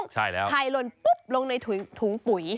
ใช่แล้วชายลนปุ๊บลงในถุงปุ๋ย